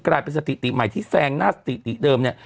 กลายเป็นสถิติใหม่ที่แซงหน้าสถิติเดิมเนี่ย